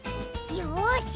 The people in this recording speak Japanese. よし！